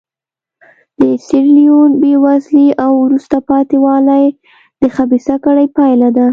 د سیریلیون بېوزلي او وروسته پاتې والی د خبیثه کړۍ پایله ده.